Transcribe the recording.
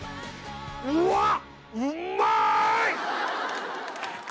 うわっ！